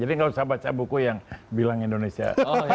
jadi nggak usah baca buku yang bilang indonesia